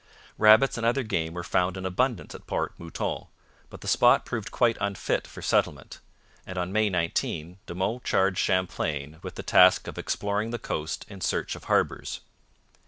Rabbits and other game were found in abundance at Port Mouton, but the spot proved quite unfit for settlement, and on May 19 De Monts charged Champlain with the task of exploring the coast in search of harbours.